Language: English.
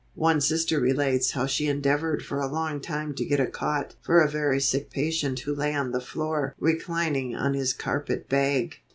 One Sister relates how she endeavored for a long time to get a cot for a very sick patient who lay on the floor reclining on his carpet bag.